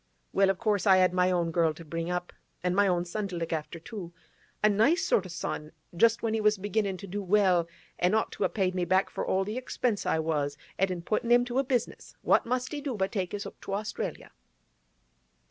Well, of course I had my own girl to bring up, an' my own son to look after too. A nice sort o' son; just when he was beginnin' to do well, an' ought to a paid me back for all the expense I was at in puttin' him to a business, what must he do but take his 'ook to Australia.